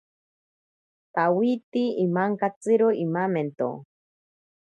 Tawiti amankatsiro imamento.